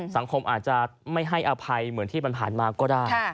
สังคมอาจจะไม่ให้อภัยเหมือนที่ผ่านมาก็ได้